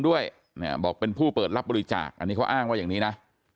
ด้วยเนี่ยบอกเป็นผู้เปิดรับบริจาคอันนี้เขาอ้างว่าอย่างนี้นะ